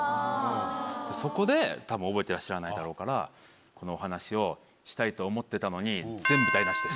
そこでたぶん覚えてらっしゃらないだろうからこのお話をしたいと思ってたのに。